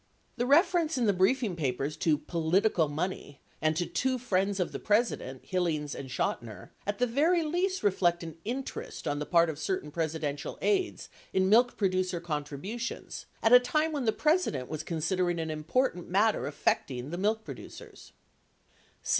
645 The reference in the briefing papers to "political money" and to two friends of the President, Hillings and Ohotiner, at the very least re flect an interest on the part of certain Presidential aides in milk producer contributions at a time when the President was considering an important matter affecting the milk producers.